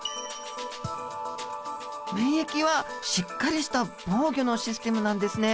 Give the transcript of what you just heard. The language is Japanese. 免疫はしっかりした防御のシステムなんですね！